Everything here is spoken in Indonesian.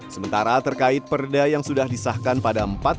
sementara terkait perda yang sudah disahkan pada mpd